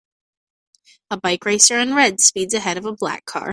A bike racer in red speeds ahead of a black car.